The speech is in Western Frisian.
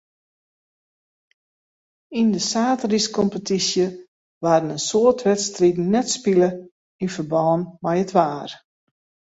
Yn de saterdeiskompetysje waarden in soad wedstriden net spile yn ferbân mei it waar.